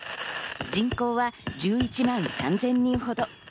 人口は１１万３０００人ほど。